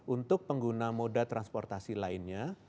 untuk pengguna moda transportasi lainnya